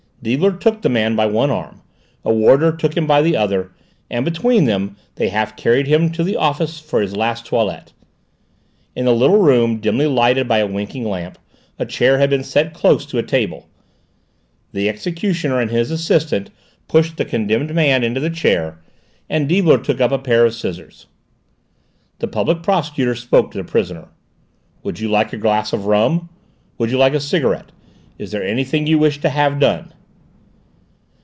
Deibler took the man by one arm, a warder took him by the other, and between them they half carried him to the office for his last toilette. In the little room, dimly lighted by a winking lamp, a chair had been set close to a table. The executioner and his assistant pushed the condemned man into the chair, and Deibler took up a pair of scissors. The Public Prosecutor spoke to the prisoner. "Would you like a glass of rum? Would you like a cigarette? Is there anything you wish to have done?"